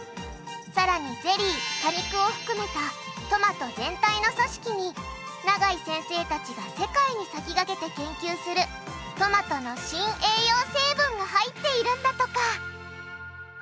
さらにゼリー果肉を含めたトマト全体の組織に永井先生たちが世界に先駆けて研究するトマトの新栄養成分が入っているんだとか！